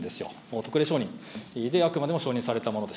特例承認で、で、あくまでも承認されたものです。